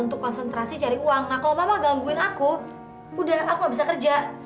udah aku gak bisa kerja